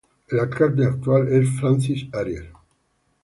El alcalde actual es Francis Arias.